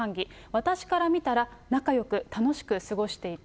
私から見たら、仲よく楽しく過ごしていた。